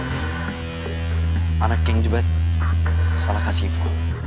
tapi anaknya juga salah kasih info